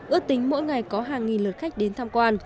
ước tính mỗi ngày có hàng nghìn lượt khách đến tham quan